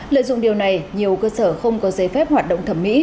lợi dụng điều này nhiều cơ sở không có giấy phép hoạt động thẩm mỹ